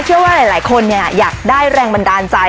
เชื่อว่าหลายคนเนี่ยอยากได้แรงบันดาลใจ